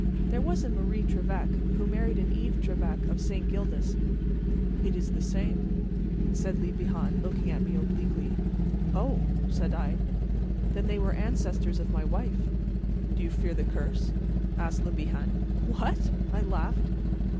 "There was a Marie Trevec who married an Yves Trevec of St. Gildas " "It is the same," said Le Bihan, looking at me obliquely. "Oh!" said I; "then they were ancestors of my wife." "Do you fear the curse?" asked Le Bihan. "What?" I laughed.